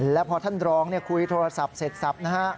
และพอท่านรองคุยโทรศัพท์เสร็จสับนะฮะ